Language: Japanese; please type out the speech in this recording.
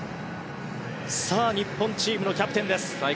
さあ日本チームのキャプテンです。